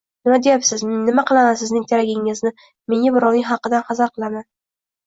Nima deyapsiz?! Nima qilaman sizning teragingizni. Men birovning haqqidan hazar qilaman.